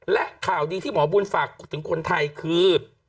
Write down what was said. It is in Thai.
และข่าวดีที่หมอบุญฝากถึงคนไทยคือ